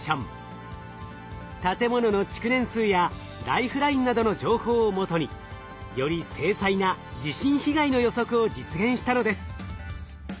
建物の築年数やライフラインなどの情報を基により精細な地震被害の予測を実現したのです。